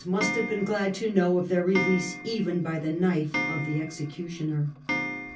must have been glad to know of their release even by the knife of the executioner.